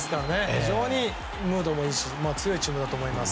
非常にムードもいいし強いチームだと思います。